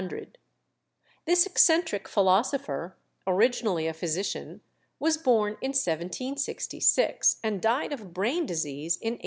This eccentric philosopher, originally a physician, was born in 1766, and died of brain disease in 1828.